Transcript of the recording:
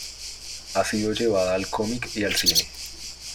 Ha sido llevada al cómic y al cine.